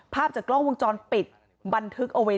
ภาพจากกล้องวงจรปิดบันทึกเอาไว้